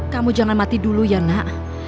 kamu jangan mati dulu ya nak